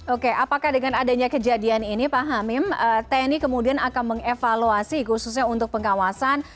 oke apakah dengan adanya kejadian ini pak hamim tni kemudian akan mengevaluasi khususnya untuk pengawasan